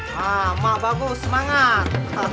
ma ma bagus semangat